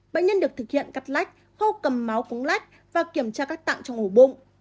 bệnh nhân được thực hiện cắt lách khâu cầm máu cúng lách và kiểm tra các tạng trong ổ bụng